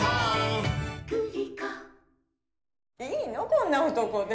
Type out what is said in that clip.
こんな男で。